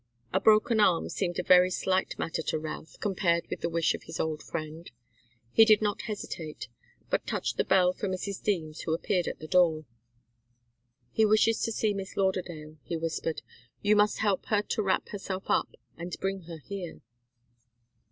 A broken arm seemed a very slight matter to Routh, compared with the wish of his old friend. He did not hesitate, but touched the bell for Mrs. Deems, who appeared at the door. "He wishes to see Miss Lauderdale," he whispered. "You must help her to wrap herself up, and bring her here."